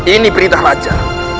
ini perintah raja